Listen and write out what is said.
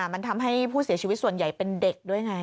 มันทำให้ผู้เสียชีวิตส่วนใหญ่เป็นเด็กด้วยไง